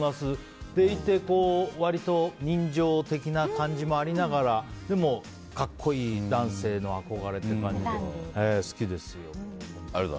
それでいて、割と人情的な感じもありながらでも格好いい、男性の憧れって感じで好きですよ。